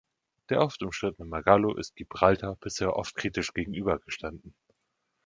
Der oft umstrittene Margallo ist Gibraltar bisher oft kritisch gegenübergestanden.